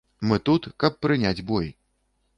Мы тут, каб прыняць бой.